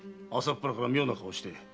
朝っぱらから妙な顔して。